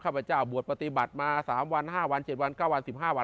พระเจ้าบวชปฏิบัติมา๓วัน๕วัน๗วัน๙วัน๑๕วัน